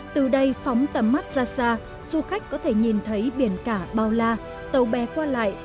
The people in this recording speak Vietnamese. từ đây phóng tầm mắt ra xa du khách có thể nhìn thấy biển cả bao la tàu bè qua lại